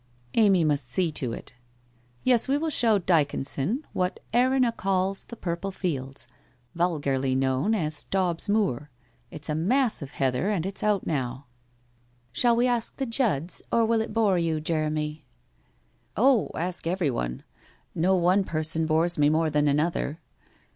' Amy must see to it. ... Yes, we will show Dycon son what Erinna calls the Purple Fields, vulgarly known as Stobs Moor. It's a mass of heather, and it's out now.' * Shall we ask the Judds, or will it bore you, Jeremy ?'( Oh, ask everyone. No one person bores me more than another.'